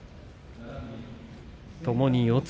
ともに四つ